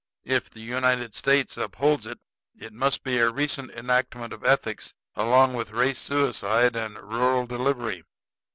If the United States upholds it, it must be a recent enactment of ethics, along with race suicide and rural delivery."